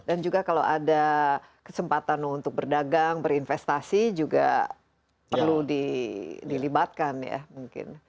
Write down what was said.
dan juga kalau ada kesempatan untuk berdagang berinvestasi juga perlu dilibatkan ya mungkin